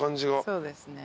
そうですね。